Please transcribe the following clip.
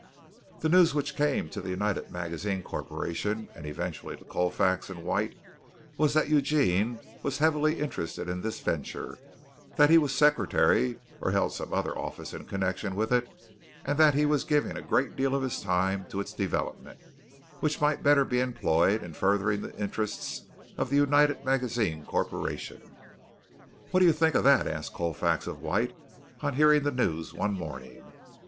The news which came to the United Magazines Corporation and eventually to Colfax and White was that Eugene was heavily interested in this venture, that he was secretary or held some other office in connection with it, and that he was giving a great deal of his time to its development, which might better be employed in furthering the interests of the United Magazines Corporation. "What do you think of that?" asked Colfax of White, on hearing the news one morning.